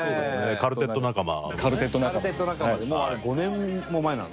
『カルテット』仲間です。